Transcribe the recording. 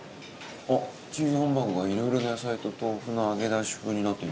あっ「チーズハンバーグ」が「いろいろな野菜と豆腐の揚げ出し風」になってんじゃん。